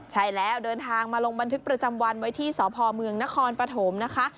ใช่แล้วเดินทางมาลงบันทึกประจำวันไว้ที่สพเมืองนครปฐมนะคะ